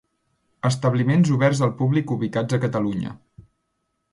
Establiments oberts al públic ubicats a Catalunya.